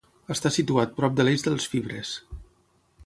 Està situat prop de l'eix de les fibres.